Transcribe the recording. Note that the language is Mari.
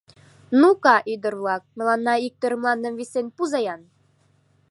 — Ну-ка, ӱдыр-влак, мыланна ик тӧр мландым висен пуза-ян!